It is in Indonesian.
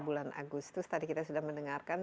bulan agustus tadi kita sudah mendengarkan